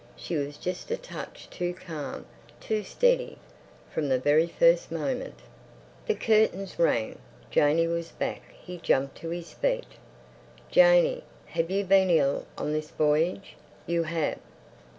She was just a touch too calm—too steady. From the very first moment— The curtains rang. Janey was back. He jumped to his feet. "Janey, have you been ill on this voyage? You have!"